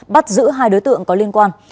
bắt giữ hai đối tượng có liên quan